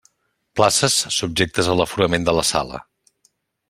Places: subjectes a l'aforament de la sala.